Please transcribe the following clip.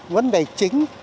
vấn đề chính